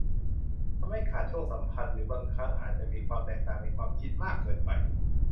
ทำให้ขาดช่วงสัมพันธ์หรือบางครั้งอาจจะมีความต่างในความคิดมากเกินไป